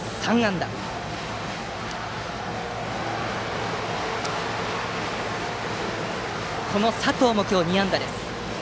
打席の佐藤も今日、２安打です。